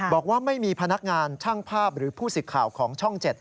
บอกว่าไม่มีพนักงานช่างภาพหรือผู้สิทธิ์ข่าวของช่อง๗